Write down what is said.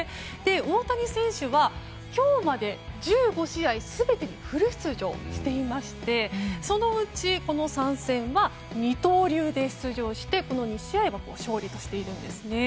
大谷選手は今日まで１５試合全てフル出場していましてそのうち、この３戦は二刀流で出場して２試合は勝利しているんですね。